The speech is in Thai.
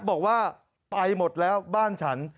บอกว่าไปหมดแล้วบ้านฉัน